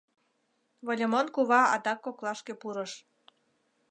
Выльымон кува адак коклашке пурыш: